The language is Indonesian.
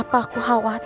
tapi aku tau gimana mel